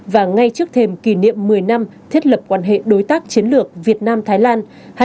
và ngay trước thềm kỷ niệm một mươi năm thiết lập quan hệ đối tác chiến lược việt nam thái lan hai nghìn một mươi hai hai nghìn hai mươi